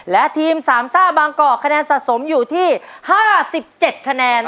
และทีมสามซ่าบางกอกคะแนนสะสมอยู่ที่๕๗คะแนน